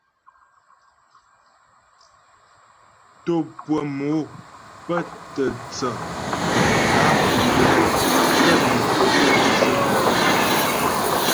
Tò pʉə̀ mò pə́ tə tsə á gɛ kə́ né fo'tə pyəshə pɔ.